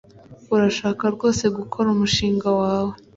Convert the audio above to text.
Urashaka rwose gukora umushinga wawe